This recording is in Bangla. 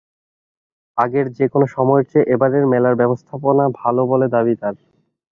আগের যেকোনো সময়ের চেয়ে এবারের মেলার ব্যবস্থাপনা ভালো বলে দাবি তাঁর।